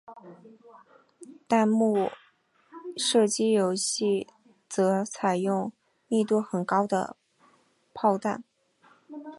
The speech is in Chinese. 弹幕射击游戏则采用密度很高的炮弹。